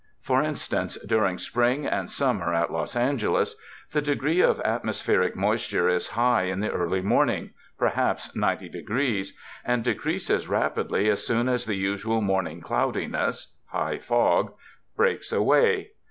For instance, during spring and summer at Los Angeles, the degree of atmospheric moisture is high in the early morning, (perhaps 90 degrees), and decreases rapidly as soon as the usual morning cloudiness (high fog) breaks away.